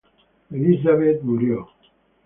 Elizabeth murió.